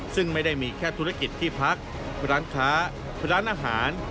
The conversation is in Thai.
ซึ่งไม่ได้มีแค่ธุรกิจที่พักร้านค้าร้านอาหาร